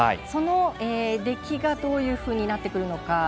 その出来がどういうふうになってくるのか